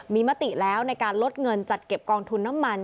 มีมติแล้วในการลดเงินจัดเก็บกองทุนน้ำมัน